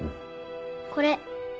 これ。